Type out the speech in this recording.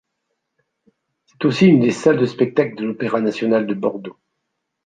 C'est aussi une des salles de spectacles de l'Opéra national de Bordeaux.